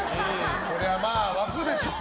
そりゃまあ、沸くでしょう。